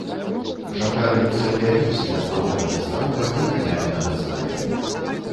Жандары цэлыя вёскі, ад малога да старога, выганялі на дазнанне.